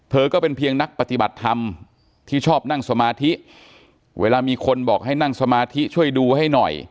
ก็เป็นเพียงนักปฏิบัติธรรมที่ชอบนั่งสมาธิเวลามีคนบอกให้นั่งสมาธิช่วยดูให้หน่อย